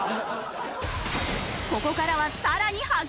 ここからはさらに白熱！